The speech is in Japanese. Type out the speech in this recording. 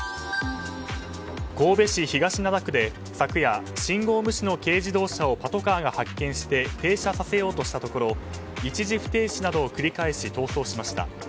神戸市東灘区で昨夜信号無視の軽自動車をパトカーが発見して停車させようとしたところ一時不停止などを繰り返し逃走しました。